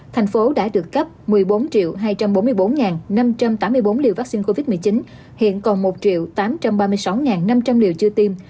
thành phố đã được cấp một mươi bốn hai trăm bốn mươi bốn năm trăm tám mươi bốn liều vaccine covid một mươi chín hiện còn một tám trăm ba mươi sáu năm trăm linh liều chưa tiêm